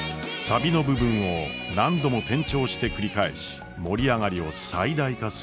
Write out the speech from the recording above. サビの部分を何度も転調して繰り返し盛り上がりを最大化する手法。